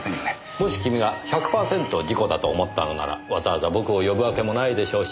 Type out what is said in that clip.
もし君が１００パーセント事故だと思ったのならわざわざ僕を呼ぶわけもないでしょうし。